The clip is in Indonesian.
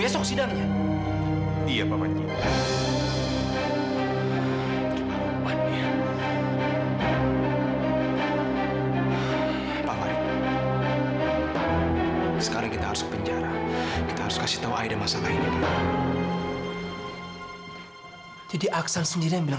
sampai jumpa di video selanjutnya